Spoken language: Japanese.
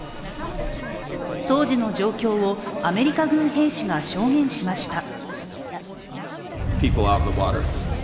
当時の状況を、アメリカ軍兵士が証言しました。